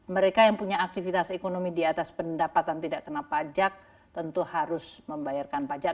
mereka yang punya aktivitas ekonomi di atas pendapatan tidak kena pajak tentu harus membayarkan pajak